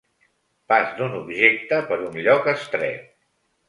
Pas d'un objecte per un lloc estret.